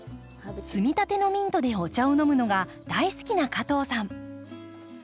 摘みたてのミントでお茶を飲むのが大好きな加藤さん。